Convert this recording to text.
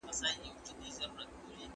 د فرضیو طرحه کول ولي د څېړني مهم پړاو دی؟